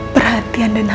perhatian dan hangat